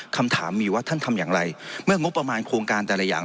คำถามมีว่าท่านทำอย่างไรเมื่องบประมาณโครงการแต่ละอย่าง